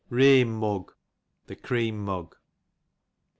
Reeam Mug, the cream mug.